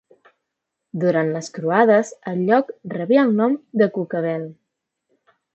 Durant les croades el lloc rebia el nom de Coquebel.